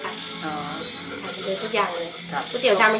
ขายเหมือนเดิมทุกอย่างเลย